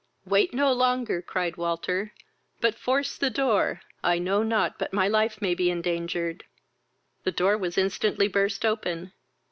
"Wait no longer, (cried Walter,) but force the door; I know not but my life may be endangered." The door was instantly burst open.